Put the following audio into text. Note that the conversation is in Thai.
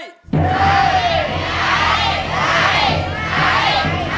ใช้